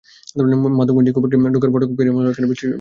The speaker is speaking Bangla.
মাধবকুণ্ড ইকো পার্কে ঢোকার ফটক পেরিয়ে মনে হলো, এখানে বৃষ্টি বনের সখা।